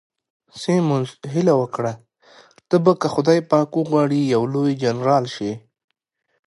سیمونز هیله وکړه، ته به که خدای پاک وغواړي یو لوی جنرال شې.